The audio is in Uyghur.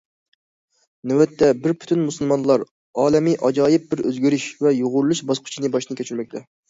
نۆۋەتتە بىر پۈتۈن مۇسۇلمانلار ئالەمى ئاجايىب بىر ئۆزگىرىش ۋە يۇغۇرۇلۇش باسقۇچىنى باشتىن كەچۈرمەكتە.